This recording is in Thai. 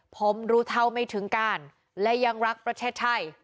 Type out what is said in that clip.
ผมรู้เท่าไม่ถึงการและยังรักประเทศไทย